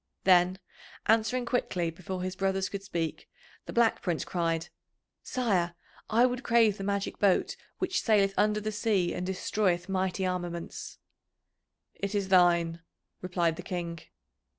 Then, answering quickly before his brothers could speak, the Black Prince cried: "Sire, I would crave the magic boat which saileth under the sea and destroyeth mighty armaments." "It is thine," replied the King.